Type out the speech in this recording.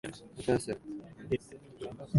方法的に規制された経験が実験と呼ばれるものである。